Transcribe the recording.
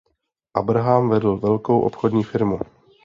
Abraham vedl velkou obchodní firmu.